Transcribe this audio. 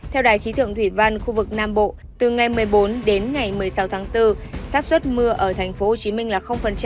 theo đài khí tượng thủy văn khu vực nam bộ từ ngày một mươi bốn đến ngày một mươi sáu tháng bốn sát xuất mưa ở tp hcm là